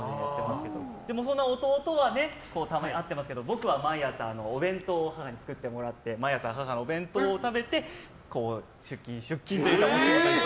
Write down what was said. でも、そんな弟はたまに会ってますけど僕は毎朝お弁当を母に作ってもらって毎朝、母のお弁当を食べて出勤というか。